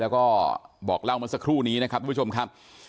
แล้วก็บอกเล่ามาสักครู่นี้นะครับวิวชมครับ